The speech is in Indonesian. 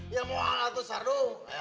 ya mau atuh satu